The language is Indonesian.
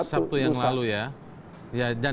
sabtu yang lalu ya